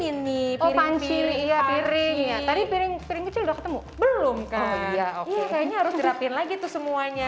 ini piring piring piring piring kecil ketemu belum kayaknya harus rapin lagi tuh semuanya